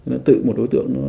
nó tự một đối tượng nó khai